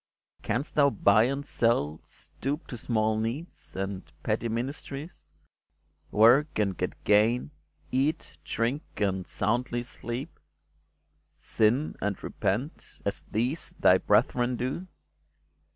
Canst thou buy and sell, Stoop to small needs, and petty ministries, Work and get gain, eat, drink, and soundly sleep, Sin and repent, as these thy brethren do